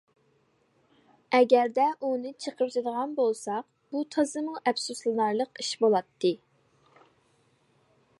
ئەگەردە ئۇنى چېقىۋېتىدىغان بولساق بۇ تازىمۇ ئەپسۇسلىنارلىق ئىش بولاتتى.